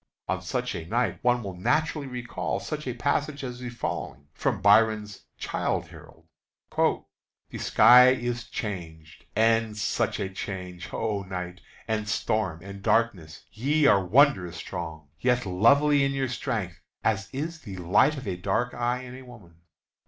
On such a night one will naturally recall such passages as the following, from Byron's "Childe Harold:" "The sky is changed, and such a change! oh, night, And storm, and darkness, ye are wondrous strong, Yet lovely in your strength, as is the light Of a dark eye in woman!